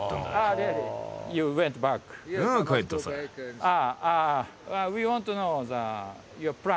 ああ